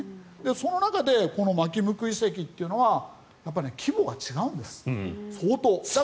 その中でこの纏向遺跡というのは規模が違うんです、相当。